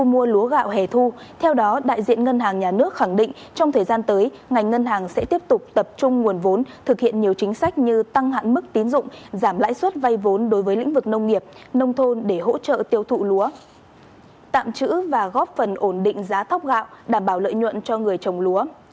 các đối tượng đều đảm bảo trong thời gian tới ngành ngân hàng sẽ tiếp tục tập trung nguồn vốn thực hiện nhiều chính sách như tăng hạn mức tín dụng giảm lãi suất vay vốn đối với lĩnh vực nông nghiệp nông thôn để hỗ trợ tiêu thụ lúa tạm chữ và góp phần ổn định giá thóc gạo đảm bảo lợi nhuận cho người trồng lúa